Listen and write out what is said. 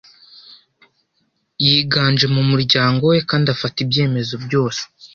Yiganje mu muryango we kandi afata ibyemezo byose.